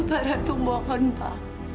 pak ratu mohon pa